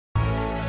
tidak boleh lo